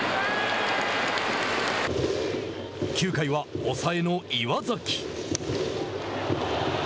９回は抑えの岩崎。